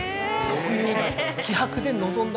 そういう気迫で臨んだ結果が。